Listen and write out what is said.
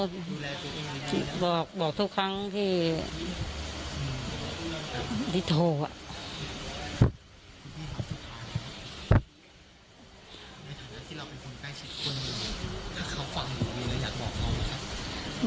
ในฐานะที่เราเป็นคนใกล้ชิดคนถ้าเขาฟังอยู่มีอะไรอยากบอกเราไหมครับ